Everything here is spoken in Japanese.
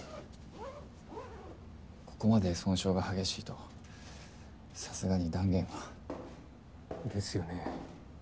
ここまで損傷が激しいとさすがに断言は。ですよね。